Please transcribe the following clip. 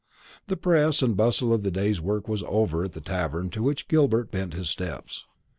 The press and bustle of the day's work was over at the tavern to which Gilbert bent his steps.